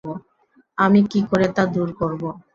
আমি কী করে তা দূর করব?